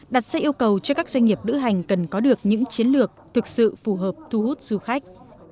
đặt ra yêu cầu cho các doanh nghiệp lữ hành cần có được những chiến lược thực sự phù hợp thu hút du khách